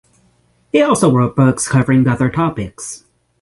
He also wrote books covering other topics.